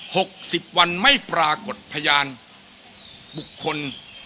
หกสิบวันไม่ปรากฏพยานบุคคล